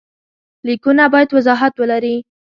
لیکونه باید وضاحت ولري.